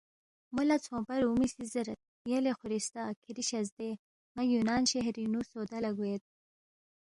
مو لہ ژھونگپا رُومی سی زیرید، یلے خورِستہ کِھری شزدے ن٘ا یُونان شہرِنگ نُو سودا لہ گوید